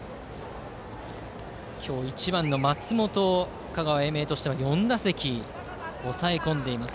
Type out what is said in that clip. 今日、１番の松本を香川・英明は４打席、抑え込んでいます。